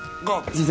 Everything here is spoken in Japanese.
先生